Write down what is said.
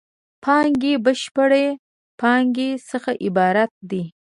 پانګې بشري پانګې څخه عبارت دی.